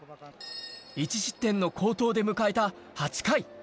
１失点の好投で迎えた８回。